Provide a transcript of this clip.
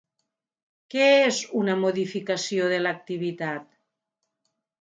Què és una modificació de l'activitat?